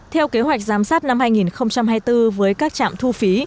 theo kế hoạch giám sát năm hai nghìn hai mươi bốn với các trạm thu phí